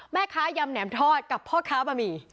แม่คะยำแหน่มทอดกับพอดค้าบะหมี่